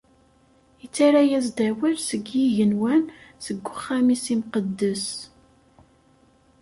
Ittarra-as-d awal seg yigenwan, seg uxxam-is imqeddes.